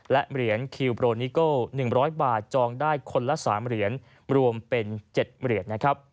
และเหรียญคิวโปรนิโก้๑๐๐บาทจองได้คนละ๓เหรียญรวมเป็น๗เหรียญนะครับ